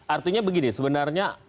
artinya begini sebenarnya